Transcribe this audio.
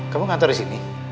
kamu kantor disini